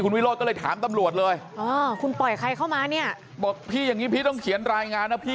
วิโรธก็เลยถามตำรวจเลยอ๋อคุณปล่อยใครเข้ามาเนี่ยบอกพี่อย่างงี้พี่ต้องเขียนรายงานนะพี่